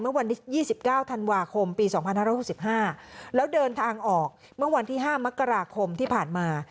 เมื่อวันที่๒๙ธันวาคมปี๒๕๖๕แล้วเดินทางออกเมื่อวันที่๕มกราคมที่ผ่านมา